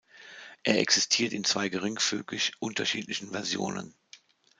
Er existiert in zwei geringfügig unterschiedlichen Versionen.